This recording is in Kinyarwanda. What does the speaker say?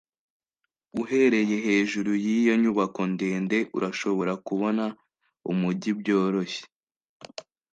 uhereye hejuru yiyo nyubako ndende, urashobora kubona umujyi byoroshye